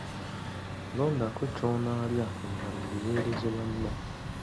Londako ky'onaalya ebirala obiweereze banno.